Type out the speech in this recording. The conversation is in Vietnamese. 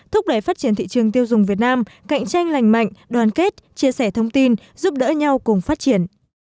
thúc đẩy phát triển thị trường tiêu dùng việt nam cạnh tranh lành mạnh đoàn kết chia sẻ thông tin giúp đỡ nhau cùng phát triển